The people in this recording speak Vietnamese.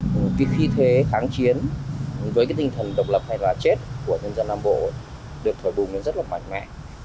với tinh thần độc lập hay là chết của nhân dân nam bộ được thổi bùng rất mạnh mẽ